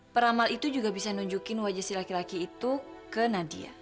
peramal itu juga bisa nunjukin wajah si laki laki itu ke nadia